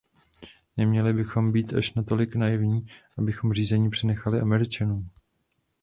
Neměli bychom být až natolik naivní, abychom řízení přenechali Američanům.